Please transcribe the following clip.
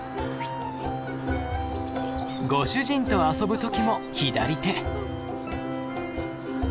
ご主人と遊ぶ時も左手。